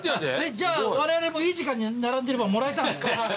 じゃあわれわれもいい時間に並んでればもらえたんですか？